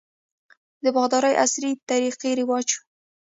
د باغدارۍ عصري طریقې رواج شوي.